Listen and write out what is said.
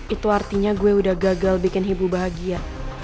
itu artinya gue udah gagal bikin ibu bahagia